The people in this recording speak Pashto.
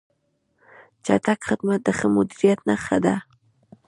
چټک خدمت د ښه مدیریت نښه ده.